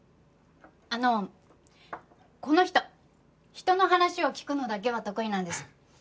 あのこの人人の話を聞くのだけは得意なんです。